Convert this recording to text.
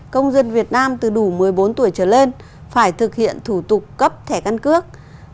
công dân việt nam từ đủ một mươi bốn tuổi trở lên phải thực hiện thủ tục cấp thẻ căn cước